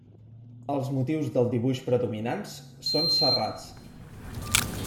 Els motius del dibuix predominants són serrats.